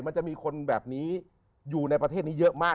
มันจะมีคนแบบนี้อยู่ในประเทศนี้เยอะมาก